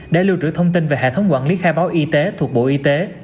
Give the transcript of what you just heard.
để lưu trữ thông tin về hệ thống quản lý khai báo y tế thuộc bộ y tế